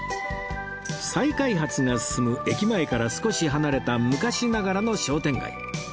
再開発が進む駅前から少し離れた昔ながらの商店街